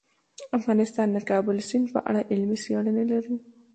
افغانستان د د کابل سیند په اړه علمي څېړنې لري.